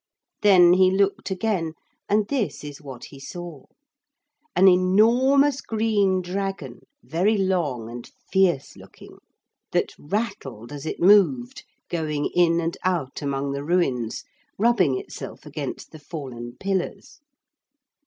Then he looked again, and this is what he saw. An enormous green dragon, very long and fierce looking, that rattled as it moved, going in and out among the ruins, rubbing itself against the fallen pillars.